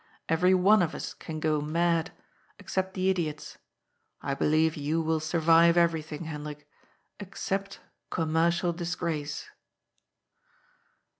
Every one of ns can go mad except the idiots. I believe yoa will saniye everyihing, Hendrik, except commercial disgrace."